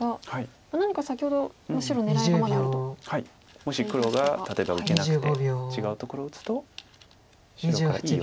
もし黒が例えば受けなくて違うところを打つと白からいいヨセ。